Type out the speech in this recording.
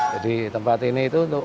tempat ini itu untuk